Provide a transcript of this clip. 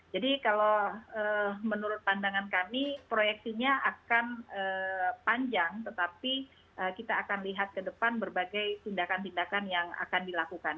jadi kalau menurut pandangan kami proyeksinya akan panjang tetapi kita akan lihat ke depan berbagai tindakan tindakan yang akan dilakukan